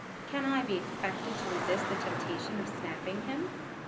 Can I be expected to resist the temptation of snapping him?